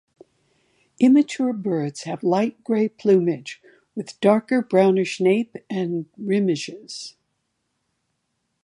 Immature birds have light grey plumage with darker brownish nape and remiges.